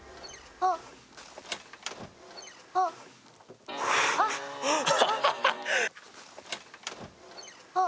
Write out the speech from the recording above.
あっあっあっあっ